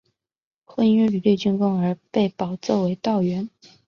后因屡立军功而被保奏为道员。